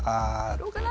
どうかな？